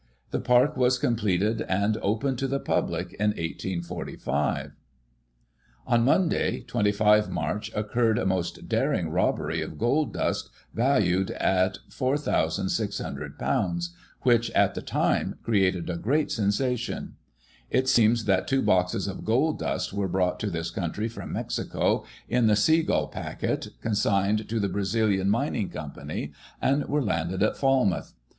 " The Park was completed, and opened to the public, in 1845. On Monday, 25 March, occurred a most daring robbery of gold dust valued at ;&4,6oo, which, at the time, created a great sensation. It seems that two boxes of gold dust were brought to this country from Mexico, in the Sea Gull Packet, consigned to the Brazilian Mining Co., and were landed at Falmouth.